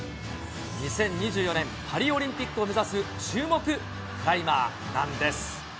２０２４年、パリオリンピックを目指す注目クライマーなんです。